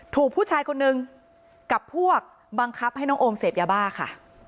ถูกผู้ชายคนนึงกับพวกบังคับให้น้องโอมเสพยาบ้าค่ะ